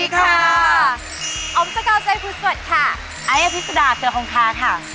คขอตอบรับคุณผู้ชมเข้าสู่รายการที่พร้อมจัดหนักทุกเรื่องที่มา